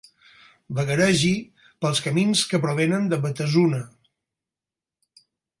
Vagaregi pels camins que provenen de Batasuna.